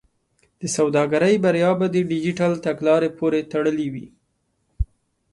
د سوداګرۍ بریا به د ډیجیټل تګلارې پورې تړلې وي.